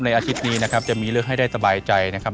อาทิตย์นี้นะครับจะมีเรื่องให้ได้สบายใจนะครับ